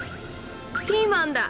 ピーマンだ。